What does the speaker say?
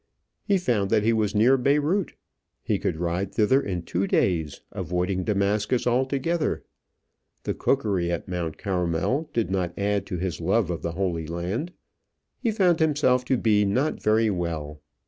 He found that he was near Beyrout: he could ride thither in two days, avoiding Damascus altogether. The cookery at Mount Carmel did not add to his love of the Holy Land. He found himself to be not very well.